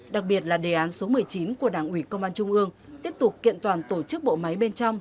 đặc biệt là đề án số một mươi chín của đảng ủy công an trung ương tiếp tục kiện toàn tổ chức bộ máy bên trong